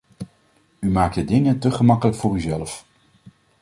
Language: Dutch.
U maakt de dingen te gemakkelijk voor uzelf.